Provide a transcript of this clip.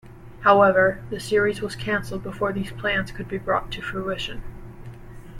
However, the series was cancelled before these plans could be brought to fruition.